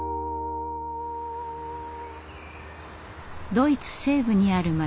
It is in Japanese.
ドイツ西部にある町